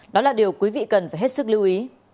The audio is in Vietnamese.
đó là điều quý vị cần phải hết sức lưu ý